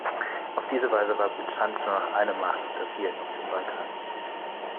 Auf diese Weise war Byzanz nur noch eine Macht unter vielen auf dem Balkan.